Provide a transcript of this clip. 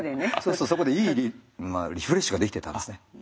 そこでいいリフレッシュができてたんですね。